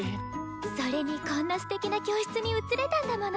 それにこんなステキな教室に移れたんだもの。